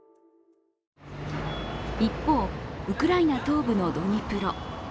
一方、ウクライナ東部のドニプロ。